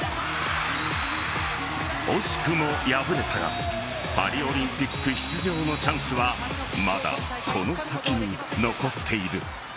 惜しくも敗れたがパリオリンピック出場のチャンスはまだ、この先に残っている。